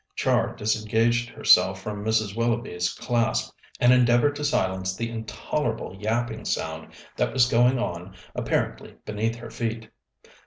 Char disengaged herself from Mrs. Willoughby's clasp, and endeavoured to silence the intolerable yapping sound that was going on apparently beneath her feet.